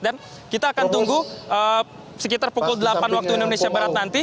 dan kita akan tunggu sekitar pukul delapan waktu indonesia barat nanti